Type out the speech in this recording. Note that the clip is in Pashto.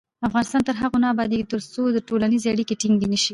افغانستان تر هغو نه ابادیږي، ترڅو ټولنیزې اړیکې ټینګې نشي.